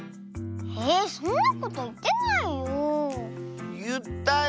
えそんなこといってないよ。